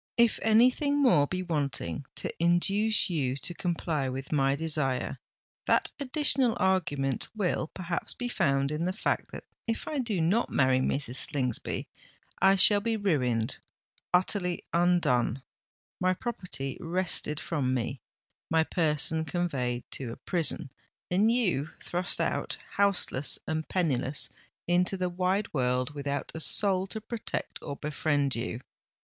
If any thing more be wanting to induce you to comply with my desire, that additional argument will, perhaps, be found in the fact that if I do not marry Mrs. Slingsby, I shall be ruined—utterly undone—my property wrested from me—my person conveyed to a prison—and you thrust out, houseless and penniless, into the wide world, without a soul to protect or befriend you.